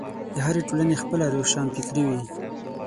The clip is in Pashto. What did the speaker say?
د هرې ټولنې خپله روښانفکري وي.